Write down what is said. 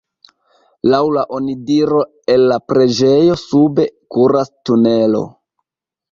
Laŭ la onidiro el la preĝejo sube kuras tunelo.